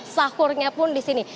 sahurnya pun di sini